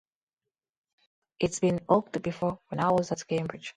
It's been hocked before — when I was at Cambridge.